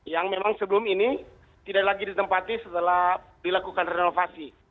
yang memang sebelum ini tidak lagi ditempati setelah dilakukan renovasi